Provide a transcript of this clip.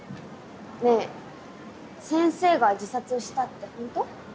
ねぇ先生が自殺したってホント？